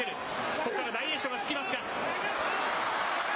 ここから大栄翔が突きますが。